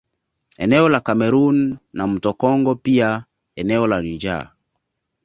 Eneo la Cameroon na mto Congo pia eneo la Niger